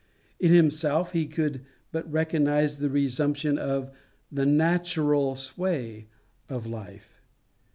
In himself he could but recognize the resumption of the natural sway of life.